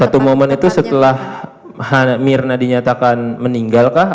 satu momen itu setelah mirna dinyatakan meninggalkah